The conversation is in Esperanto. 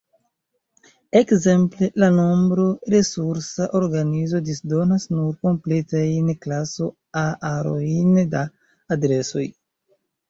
Ekzemple, la Nombro-Resursa Organizo disdonas nur kompletajn klaso-A-arojn da adresoj.